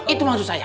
itu maksud saya